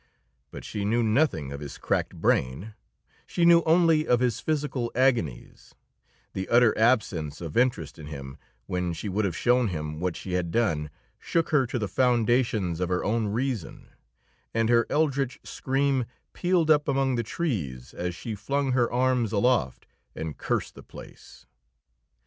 But she knew nothing of his cracked brain; she knew only of his physical agonies; the utter absence of interest in him when she would have shown him what she had done shook her to the foundations of her own reason; and her eldritch scream pealed up among the trees as she flung her arms aloft and cursed the place.